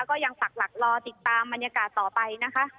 ก็ยังปักหลักรอติดตามบรรยากาศต่อไปนะคะ